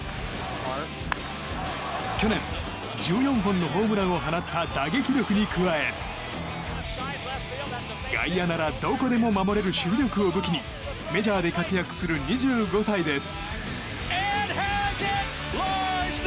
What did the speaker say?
去年１４本のホームランを放った打撃力に加え外野ならどこでも守れる守備力を武器にメジャーで活躍する２５歳です。